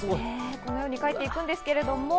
このように描いていくんですけど。